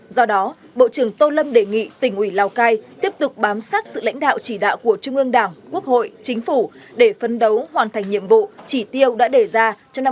do đó bộ trưởng tô lâm đề nghị tỉnh ủy lào cai tiếp tục bám sát sự lãnh đạo chỉ đạo của trung ương đảng quốc hội chính phủ để phấn đấu hoàn thành nhiệm vụ chỉ tiêu đã đề ra trong năm hai nghìn hai mươi